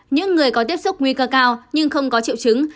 những người có tiếp xúc nguy cơ cao nhưng không có triệu chứng